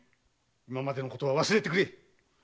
今までのことは忘れてくれ！